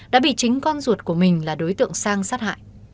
đã bị chính con ruột của mình là đối tượng sang sát hại